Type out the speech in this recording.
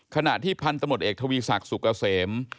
ขณะที่พันธมตเอกทวีศักดิ์สุกเกษม